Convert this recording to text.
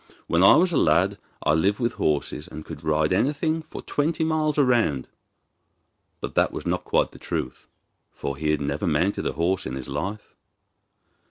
'When I was a lad I lived with horses, and could ride anything for twenty miles round.' But that was not quite the truth, for he had never mounted a horse in his life.